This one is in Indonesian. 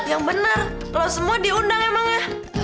yang bener lo semua diundang emangnya